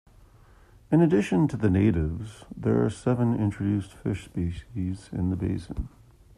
In addition to the natives, there are seven introduced fish species in the basin.